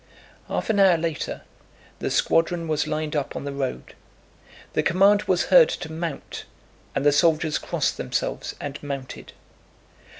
Half an hour later the squadron was lined up on the road. The command was heard to "mount" and the soldiers crossed themselves and mounted.